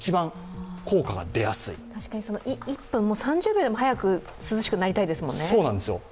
１分、３０秒でも早く涼しくなりたいですもんね。